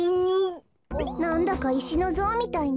なんだかいしのぞうみたいね。